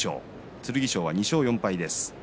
剣翔は２勝４敗です。